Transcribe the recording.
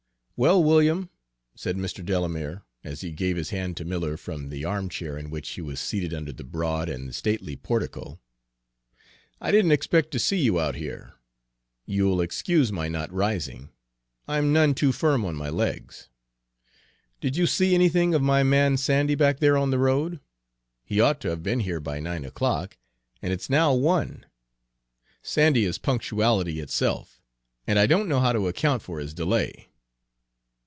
"Well, William," said Mr. Delamere, as he gave his hand to Miller from the armchair in which he was seated under the broad and stately portico, "I didn't expect to see you out here. You'll excuse my not rising, I'm none too firm on my legs. Did you see anything of my man Sandy back there on the road? He ought to have been here by nine o'clock, and it's now one. Sandy is punctuality itself, and I don't know how to account for his delay."